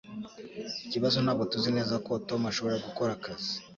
Ikibazo ntabwo tuzi neza ko Tom ashobora gukora akazi.